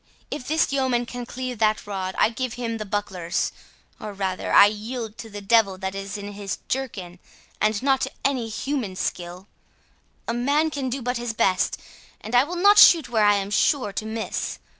If this yeoman can cleave that rod, I give him the bucklers—or rather, I yield to the devil that is in his jerkin, and not to any human skill; a man can but do his best, and I will not shoot where I am sure to miss.